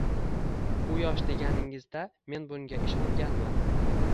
U yosh deganingizda men bunga ishonganman.